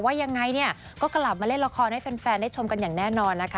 ยังไงเนี่ยก็กลับมาเล่นละครให้แฟนได้ชมกันอย่างแน่นอนนะคะ